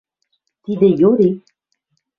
Тидӹ йори?